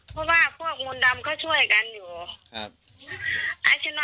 เพราะว่าพวกมนต์ดำเขาช่วยกันอยู่